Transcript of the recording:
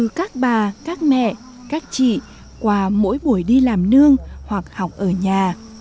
họ học từ các bà các mẹ các chị qua mỗi buổi đi làm nương hoặc học ở nhà